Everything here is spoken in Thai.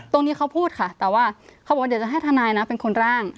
ตรงนี้เขาพูดค่ะแต่ว่าเขาบอกว่าเดี๋ยวจะให้ทนายนะเป็นคนร่าง